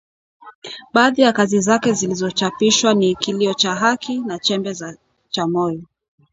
Baadhi ya kazi zake zilizochapishwa ni Kilio cha Haki na Chembe cha Moyo